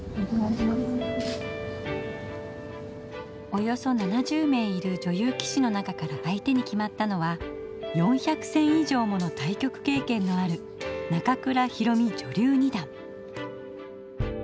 およそ７０名いる女流棋士の中から相手に決まったのは４００戦以上もの対局経験のある中倉宏美女流二段。